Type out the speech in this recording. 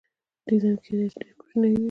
ډیزاین کیدای شي ډیر کوچنی وي.